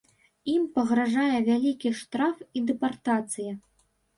Ім пагражае вялікі штраф і дэпартацыя.